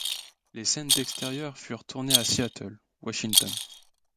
Les scènes d'extérieur furent tournées à Seattle, Washington.